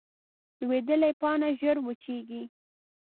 لوېدلې پاڼه ژر وچېږي